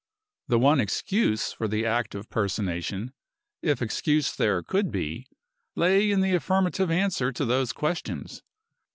(The one excuse for the act of personation if excuse there could be lay in the affirmative answer to those questions.